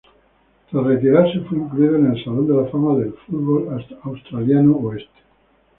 Tras retirarse fue incluido en el Salón de la Fama del Fútbol Australiano Oeste.